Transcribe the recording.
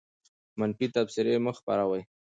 منفي تبصرې مه خپروه.